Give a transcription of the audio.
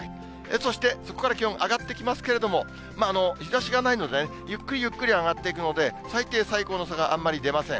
そして、そこから気温上がっていきますけど、日ざしがないのでね、ゆっくりゆっくり上がっていくので、最低、最高の差があんまり出ません。